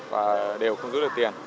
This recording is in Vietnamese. và đều không rút được tiền